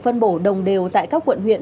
phân bổ đồng đều tại các quận huyện